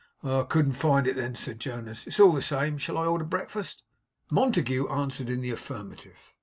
'I couldn't find it, then,' said Jonas; 'it's all the same. Shall I order breakfast?' Montague answered in the affirmative.